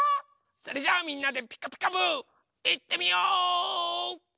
それじゃあみんなで「ピカピカブ！」いってみよう！